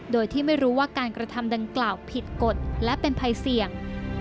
โดยที่ไม่รู้ว่าการกระทำดังกล่าวผิดกฎและเป็นภัยเสี่ยง